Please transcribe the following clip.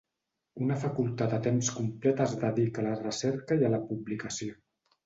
Una facultat a temps complet es dedica a la recerca i a la publicació.